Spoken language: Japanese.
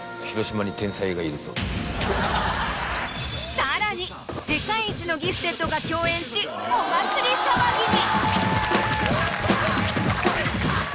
さらに世界一のギフテッドが共演しお祭り騒ぎに！